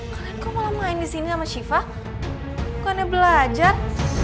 kan kau malah main di sini sama syifa bukannya belajar